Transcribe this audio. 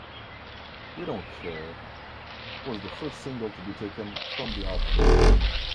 "We Don't Care" was the first single to be taken from the album.